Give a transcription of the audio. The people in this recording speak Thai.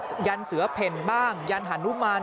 อู้ยวันนี้เป็นตัวอะไรมากัน